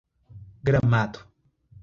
Gramado